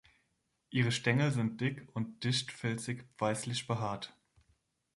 Ihre Stängel sind dick und dicht-filzig weißlich behaart.